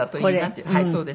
はいそうです。